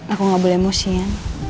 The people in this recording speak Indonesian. aku nggak boleh emosi ya